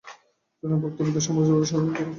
জোরালো বক্তব্য দেন সাম্রাজ্যবাদী ষড়যন্ত্রের বিরুদ্ধে।